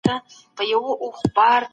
ځيني کسان ادعا کوي چي دوی سياسي علم لولي.